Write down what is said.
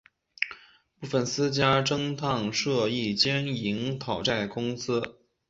部份私家侦探社亦兼营讨债公司。